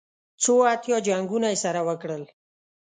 څو اتیا جنګونه یې سره وکړل.